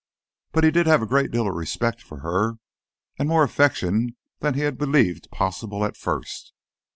But he did have a great deal of respect for her, and more affection than he had believed possible at first.